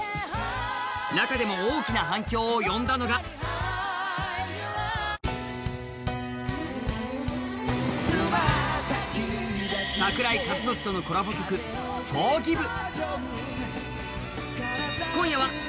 中でも大きな反響を呼んだのが櫻井和寿とのコラボ曲「ｆｏｒｇｉｖｅ」